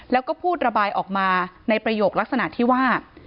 แล้วก็พูดระบายออกมาในประโยคลักษณะที่ว่า